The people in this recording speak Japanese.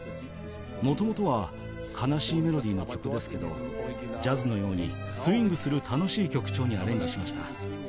元々は悲しいメロディーの曲ですけどジャズのようにスウィングする楽しい曲調にアレンジしました。